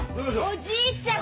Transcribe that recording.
おじいちゃん！